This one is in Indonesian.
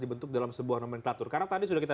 dibentuk dalam sebuah nomenklatur karena tadi sudah kita